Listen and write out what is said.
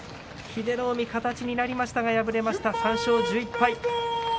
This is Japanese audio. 英乃海は形になりましたが敗れました、３勝１１敗。